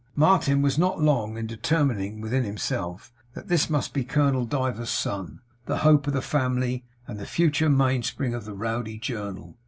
Martin was not long in determining within himself that this must be Colonel Diver's son; the hope of the family, and future mainspring of the Rowdy Journal.